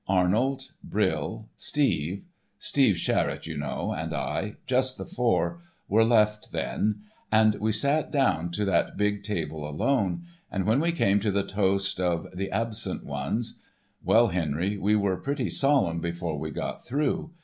Arnold, Brill, Steve—Steve Sharrett, you know, and I—just the four,—were left then; and we sat down to that big table alone; and when we came to the toast of 'The Absent Ones' ... Well, Henry, we were pretty solemn before we got through.